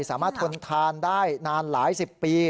สามารถทนทานได้นานหลายสิบปี